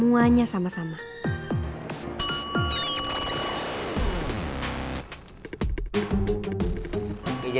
gua anakelah jadi cette jean